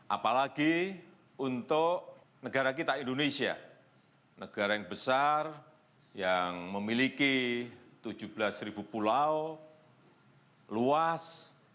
apalagi untuk negara kita indonesia negara yang besar yang memiliki tujuh belas pulau luas